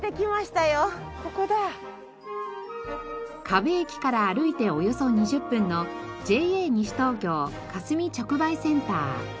河辺駅から歩いておよそ２０分のＪＡ西東京かすみ直売センター。